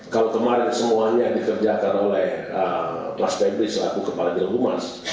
kalau kemarin semuanya dikerjakan oleh kelas peblis laku kepala jelumas